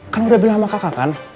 karena udah bilang sama kakak kan